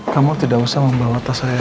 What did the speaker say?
kamu tidak usah membawa tas saya